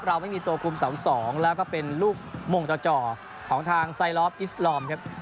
เราไม่มีตัวคุมเสา๒แล้วก็เป็นลูกมงจ่อของทางไซลอฟอิสลอมครับ